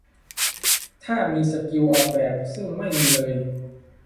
ถ้ามีสกิลออกแบบ ซึ่งไม่มีเลย